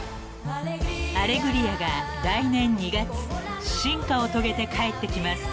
［『アレグリア』が来年２月進化を遂げて帰ってきます］